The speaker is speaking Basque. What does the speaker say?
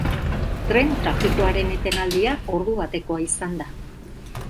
Tren trafikoaren etenaldia ordu batekoa izan da.